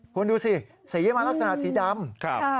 คุณดูสิสีมาลักษณะสีดำ